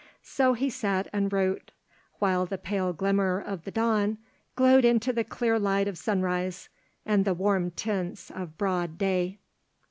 So he sat and wrote, while the pale glimmer of the dawn glowed into the clear light of sunrise and the warm tints of broad day.